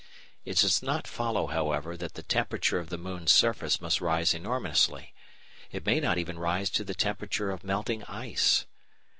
It does not follow, however, that the temperature of the moon's surface must rise enormously. It may not even rise to the temperature of melting ice.